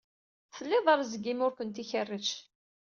Tlid rezg imi ur kent-ikerrec